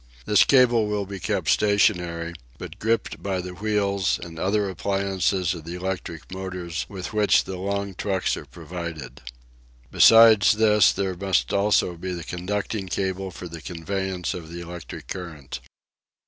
This cable will be kept stationary, but gripped by the wheels and other appliances of the electric motors with which the long trucks are provided. Besides this there must also be the conducting cables for the conveyance of the electric current.